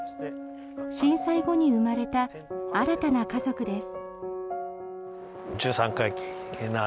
震災後に生まれた新たな家族です。